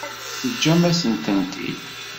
Teǧǧam-asen-tent-id.